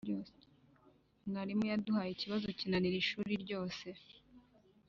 mwarimu yaduhaye icyibazo cyinanira ishuri ryose